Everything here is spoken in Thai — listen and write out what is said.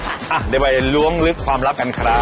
อ่ะเดี๋ยวไปล้วงลึกความลับกันครับ